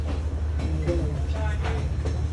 Miguel Alonso.